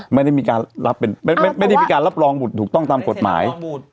ไม่ได้มีการรับเป็นไม่ได้มีการรับรองบุตรถูกต้องตามกฎหมาย